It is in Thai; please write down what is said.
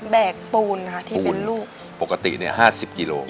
แบกปูนค่ะที่เป็นลูกปูนปกติเนี่ย๕๐กิโลกรัม